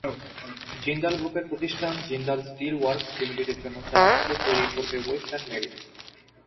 জিনদাল গ্রুপের প্রতিষ্ঠান Jindal still works লিমিটেডের জন্য জাহাজগুলো তৈরি করবে ওয়েস্টার্ন মেরিন।